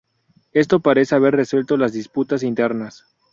Esto parece haber resuelto las disputas internas.